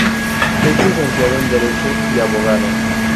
Es licenciado en Derecho y abogado.